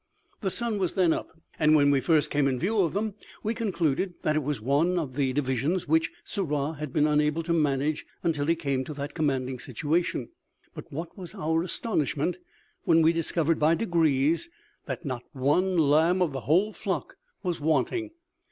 The sun was then up; and when we first came in view of them, we concluded that it was one of the divisions which Sirrah had been unable to manage until he came to that commanding situation. But what was our astonishment, when we discovered by degrees that not one lamb of the whole flock was wanting!